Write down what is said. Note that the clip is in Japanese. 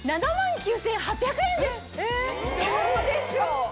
どうでしょう！